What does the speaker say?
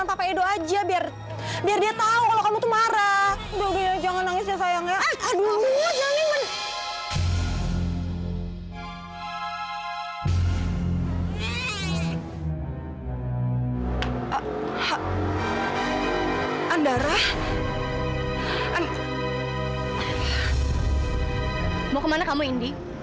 mau kemana kamu indi